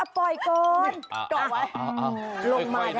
ปล่อยก่อน